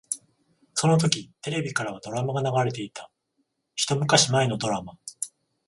そのときテレビからはドラマが流れていた。一昔前のドラマ。